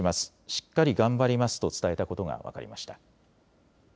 しっかり頑張りますと伝えたことが分かりました。